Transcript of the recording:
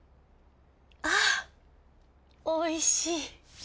あおいしい。